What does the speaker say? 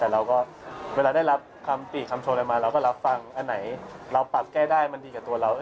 แต่เราก็เวลาได้รับคำตีกคำโชว์อะไรมาเราก็รับฟังอันไหนเราปรับแก้ได้มันดีกับตัวเรา